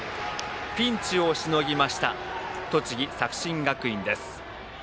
ピンチをしのぎました栃木・作新学院です。